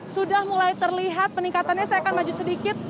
sudah mulai terlihat peningkatannya saya akan maju sedikit